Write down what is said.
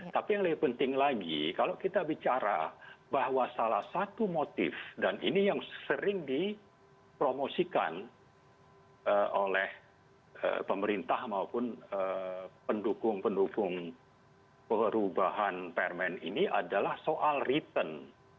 tapi yang lebih penting lagi kalau kita bicara bahwa salah satu motif dan ini yang sering dipromosikan oleh pemerintah maupun pendukung pendukung perubahan permen ini adalah soal return